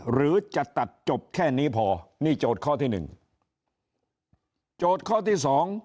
หรือจะตัดจบแค่นี้พอนี่โจทย์ข้อที่หนึ่งโจทย์ข้อที่สอง